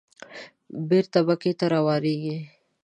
بېرته مکې ته روانېږي.